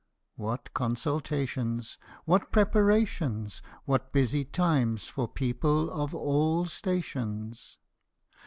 What consultations ! What preparations ! What busy times for people of all stations